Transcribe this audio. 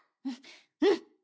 うん。